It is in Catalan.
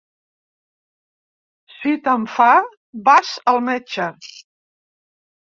Si te'n fa vas al metge.